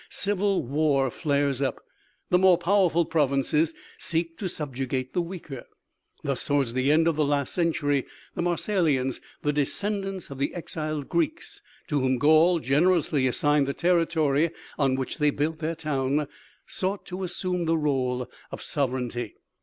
Civil war flares up. The more powerful provinces seek to subjugate the weaker. Thus, towards the end of the last century, the Marseillians, the descendants of the exiled Greeks to whom Gaul generously assigned the territory on which they built their town, sought to assume the rôle of sovereignty.